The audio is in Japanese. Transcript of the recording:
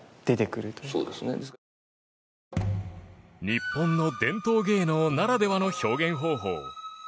日本の伝統芸能ならではの表現方法。